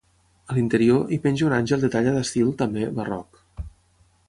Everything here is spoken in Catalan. A l'interior, hi penja un àngel de talla d'estil, també, barroc.